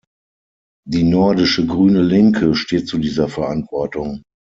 Die nordische grüne Linke steht zu dieser Verantwortung.